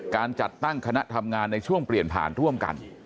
การจัดตั้งคณะทำงานในช่วงเปลี่ยนผ่านร่วมกัน